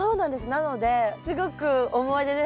なのですごく思い出ですね